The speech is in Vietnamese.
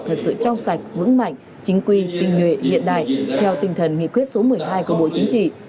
thật sự trong sạch vững mạnh chính quy tinh nguyện hiện đại theo tinh thần nghị quyết số một mươi hai của bộ chính trị